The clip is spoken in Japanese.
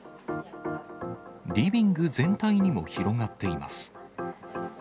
リビング全体にも広がっています。